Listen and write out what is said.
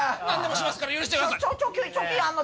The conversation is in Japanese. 何でもします